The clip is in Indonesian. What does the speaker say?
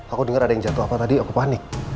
aku dengar ada yang jatuh apa tadi aku panik